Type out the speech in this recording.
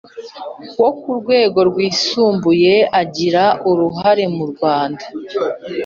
wo ku rwego rwisumbuye agira uruhare murwanda